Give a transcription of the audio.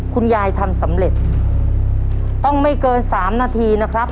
คุณยายทำสำเร็จต้องไม่เกิน๓นาทีนะครับ